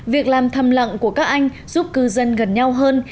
việc làm thầm lặng của các anh giúp cư dân gần nhau hơn